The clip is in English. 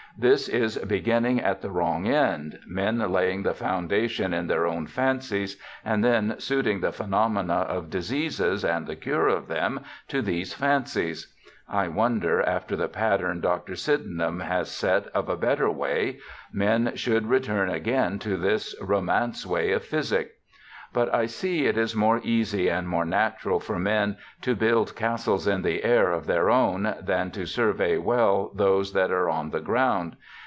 This is beginning at the wrong end, men laying the foundation in their own fancies, and then suiting the phenomena of diseases, and the cure of them, to these fancies. I wonder, after the pattern Dr. Sydenham has set of a better way, men should return again to this romance way of physic. But I see it is more easy and more natural for men to build castles in the air of their own than to survey well those that are on the ground.